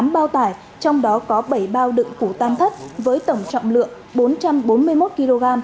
tám bao tải trong đó có bảy bao đựng củ tan thất với tổng trọng lượng bốn trăm bốn mươi một kg